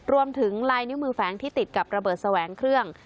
รวมถึงลายนิ้วมือแฝงที่ติดกับระเบิดแสวงเครื่อง